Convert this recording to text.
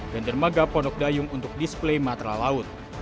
dan dermaga pondok dayung untuk display matral laut